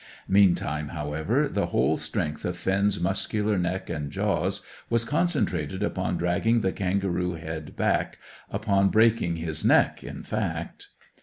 Meantime, however, the whole strength of Finn's muscular neck and jaws was concentrated upon dragging the kangaroo's head back, upon breaking his neck, in fact.